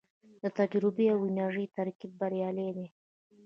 د تجربې او انرژۍ ترکیب بریالی دی